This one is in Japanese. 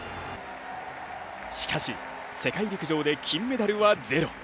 しかし、世界陸上で金メダルはゼロ。